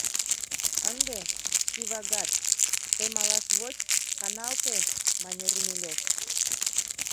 — Ынде, Сивагат, тый малаш воч, каналте, — мане Румелёв.